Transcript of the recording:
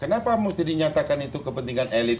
kenapa mesti dinyatakan itu kepentingan elit